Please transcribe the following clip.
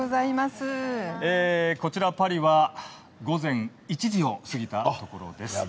こちらパリは午前１時を過ぎたところです。